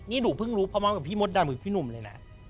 นี่หนูเพิ่งรู้พร้อมกับพี่มดดำหรือพี่หนุ่มเลยนะ